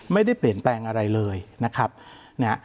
ไม่ได้เปลี่ยนแปลงอะไรเลยนะครับเนี่ย